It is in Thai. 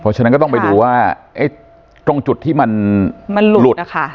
เพราะฉะนั้นก็ต้องไปดูว่าตรงจุดที่มันหลุดนะคะ